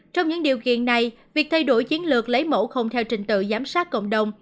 trong những điều kiện này việc thay đổi chiến lược lấy mẫu không theo trình tự giám sát cộng đồng